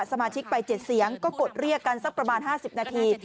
สมาชิกไป๗เสียงก็กดเรียกกันสักประมาณ๕๐นาที